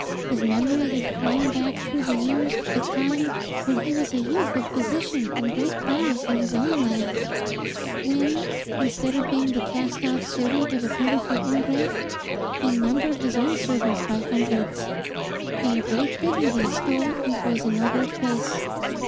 His memory had flown back through the years to the time when he was a youth of position and great promise in his own land; when, instead of being the cast off servant of a beautiful ingrate, he numbered his own servants by hundreds. And a great dignity stole into his ennobled face.